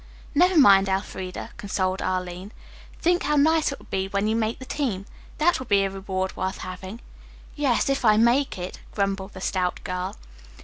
"Never mind, Elfreda," consoled Arline. "Think how nice it will be when you make the team. That will be a reward worth having." "Yes, if I make it," grumbled the stout girl.